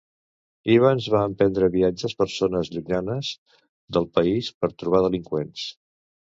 Evans va emprendre viatges per zones llunyanes del país per trobar delinqüents.